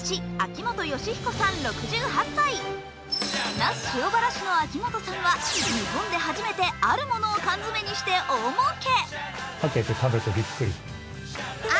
那須塩原市の秋元さんは、日本で初めてあるものを缶詰にして大儲け。